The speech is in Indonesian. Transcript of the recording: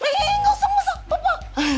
eh eh eh gausah gausah papa